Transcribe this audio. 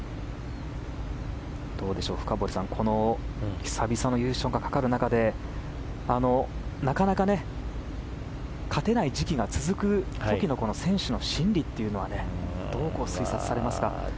深堀さんこの久々の優勝がかかる中でなかなか勝てない時期が続く時の選手の心理というのはどうご推察されますか。